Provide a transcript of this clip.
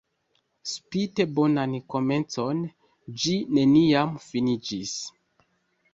Spite bonan komencon, ĝi neniam finiĝis.